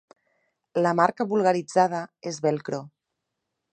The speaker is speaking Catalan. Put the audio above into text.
La marca vulgaritzada és Velcro.